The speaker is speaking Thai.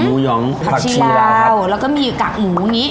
หมูหยองผักชีราวแล้วก็มีกักหมูนี้